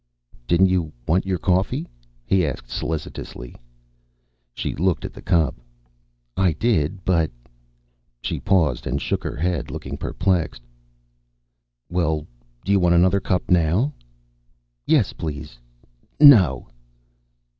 "Didn't you want your coffee?" he asked solicitously. She looked at the cup. "I did, but " She paused and shook her head, looking perplexed. "Well, do you want another cup now?" "Yes, please. _No.